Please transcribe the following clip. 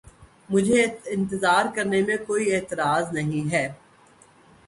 مجھے اِنتظار کرنے میں کوئی اعتراض نہیں ہے۔